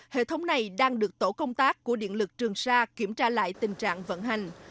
hệ thống này đang được tổ công tác của điện lực trường sa kiểm tra lại tình trạng vận hành